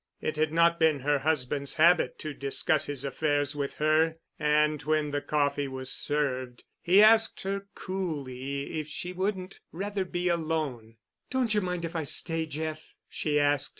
It had not been her husband's habit to discuss his affairs with her, and, when the coffee was served, he asked her coolly if she wouldn't rather be alone. "Do you mind if I stay, Jeff?" she asked.